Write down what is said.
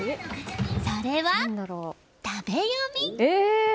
それは、食べヨミ！